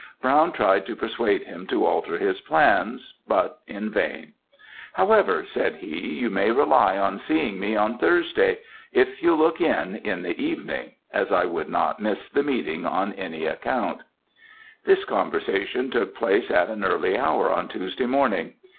Brown tried to persuade him to alter his plans, but in vain; 'however,' said he, 'you may rely on seeing me on Thursday, if you'll look in, in the evening; as I would not miss the meeting on any account.' "This conversation took place at an early hour on Tuesday morning.